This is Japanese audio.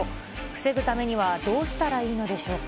防ぐためにはどうしたらいいのでしょうか。